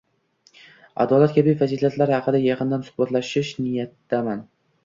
adolat kabi fazilatlar haqida yaqindan suhbatlashish niyatidaman.